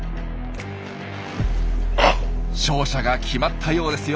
勝者が決まったようですよ。